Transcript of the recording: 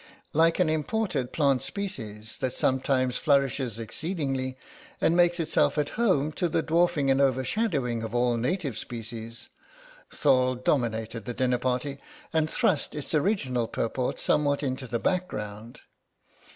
Like an imported plant species that sometimes flourishes exceedingly, and makes itself at home to the dwarfing and overshadowing of all native species, Thorle dominated the dinner party and thrust its original purport somewhat into the background.